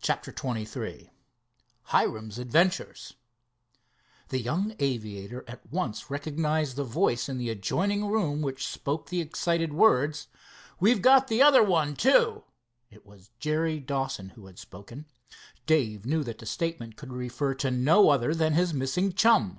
CHAPTER XXIII HIRAM'S ADVENTURES The young aviator at once recognized the voice in the adjoining room which spoke the excited, words: "We've got the other one, too!" It was Jerry Dawson who had spoken. Dave knew that the statement could refer to no other than his missing chum.